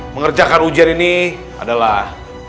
mengerjakan ujian ini adalah